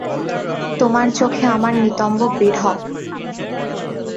তোমার চোখে আমার নিতম্ব বেঢপ।